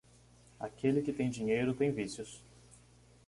Aquele que tem dinheiro tem vícios.